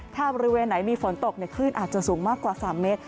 ถ้าบริเวณไหนมีฝนตกคลื่นอาจจะสูงมากกว่า๓เมตร